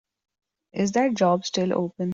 Is that job still open?